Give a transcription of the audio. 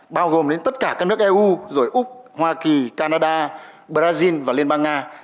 bao gồm đến tất cả các nước eu rồi úc hoa kỳ canada brazil và liên bang nga